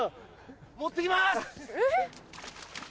持って来ます！え？